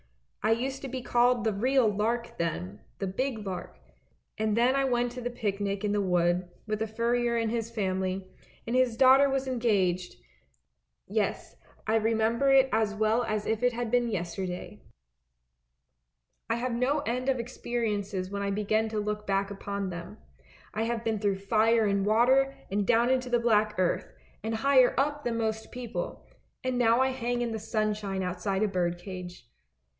I used to be called the real lark then, the big lark; and then I went to the picnic in the wood, with the furrier and his family, and his daughter was engaged — yes, I remember it as well as if it had been yesterday. 83 84 ANDERSEN'S FAIRY TALES I have had no end of experiences when I begin to look back upon them. I have been through fire and water, and down into the black earth, and higher up than most people, and now I hang in the sunshine outside a bird cage.